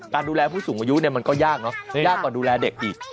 การดูแลผู้สูงอายุเนี่ยมันก็ยากเนอะยากกว่าดูแลเด็กอีก